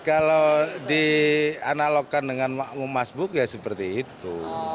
kalau dianalogkan dengan makmum mas buk ya seperti itu